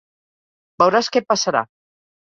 Veuràs què passarà.